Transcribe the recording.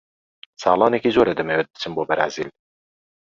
ساڵانێکی زۆرە دەمەوێت بچم بۆ بەرازیل.